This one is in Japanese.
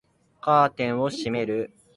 カーテンを閉める